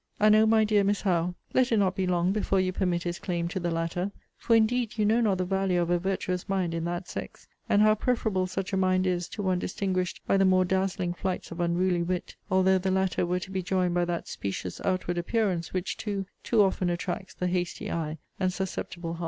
'And, O my dear Miss Howe, let it not be long before you permit his claim to the latter for indeed you know not the value of a virtuous mind in that sex; and how preferable such a mind is to one distinguished by the more dazzling flights of unruly wit; although the latter were to be joined by that specious outward appearance which too too often attracts the hasty eye, and susceptible heart.'